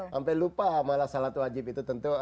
sampai lupa malah sholat wajib itu tentu